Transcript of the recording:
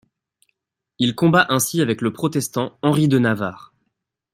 Il combat ainsi avec le protestant Henri de Navarre.